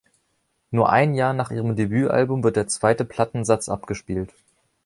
Nur ein Jahr nach ihrem Debütalbum wird der zweite Plattensatz abgespielt.